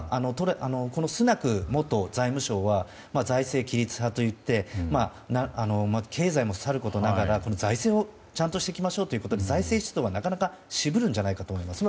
スナク元財務相は財政規律派といって経済もさることながら財政をちゃんとしていきましょうというので財政出動はなかなか渋るんじゃないかと思います。